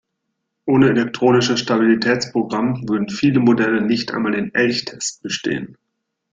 Ohne Elektronisches Stabilitätsprogramm würden viele Modelle nicht einmal den Elchtest bestehen.